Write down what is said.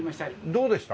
どうでした？